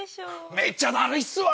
めっちゃダルいっすわ！